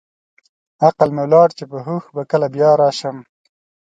عقل مې ولاړ چې په هوښ به کله بیا راشم.